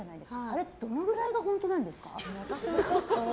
あれ、どのくらいが本当なんですか。